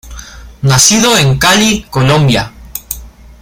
Nacido en Cali, Colombia.